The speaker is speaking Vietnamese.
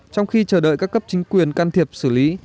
trong khi chờ đợi các cấp chính quyền can thiệp xử lý